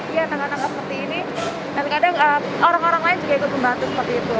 iya tanggal tanggal seperti ini dan kadang orang orang lain juga ikut membantu seperti itu